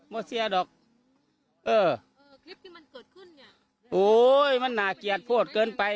มาเสียดอกเออเออคลิปที่มันเกิดขึ้นเนี่ยโอ้ยมันน่าเกลียดโทษเกินไป